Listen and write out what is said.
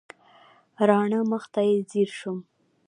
راڼه مخ ته یې ځېر شوم.